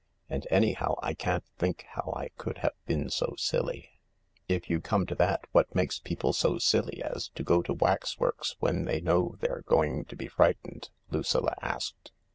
And anyhow, I can't think how I could have been so silly/' " If you come to that, what makes people so silly as to go to waxworks when they know they're going to be frightened ?" Lucilla asked.